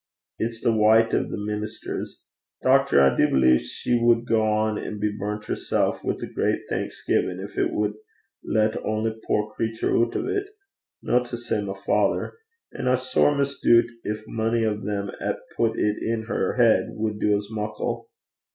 It's the wyte o' the ministers. Doctor, I do believe she wad gang an' be brunt hersel' wi' a great thanksgivin', gin it wad lat ony puir crater oot o' 't no to say my father. An' I sair misdoobt gin mony o' them 'at pat it in her heid wad do as muckle.